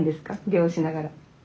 漁しながら。